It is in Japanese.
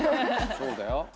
そうだよ。